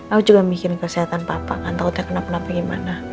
aku juga mikirin kesehatan papa kan takutnya kenapa napa gimana